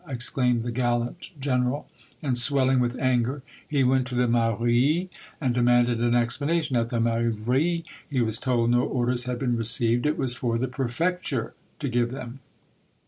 " exclaimed the gallant general, and swelHng with anger he went to the mairie, and demanded an explanation. At the mairie^ he was told no The Defence of Tarascon, "jy orders had been received ; it was for the prefecture to give them.